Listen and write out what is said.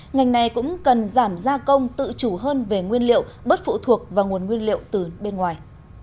ngành này cũng cần giảm gia công tự chủ hơn về nguyên liệu bớt phụ thuộc vào nguồn nguyên liệu từ bên ngoài